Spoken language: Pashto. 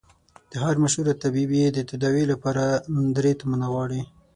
د ښار مشهور طبيب يې د تداوي له پاره درې تومنه غواړي.